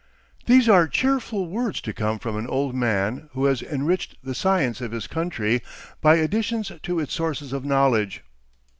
These are cheerful words to come from an old man who has enriched the science of his country by additions to its sources of knowledge.